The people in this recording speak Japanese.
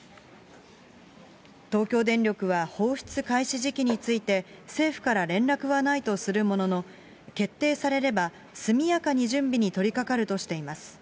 東京電力は放出開始時期について、政府から連絡はないとするものの、決定されれば、速やかに準備に取りかかるとしています。